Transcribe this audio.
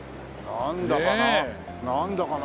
なんだかなあ。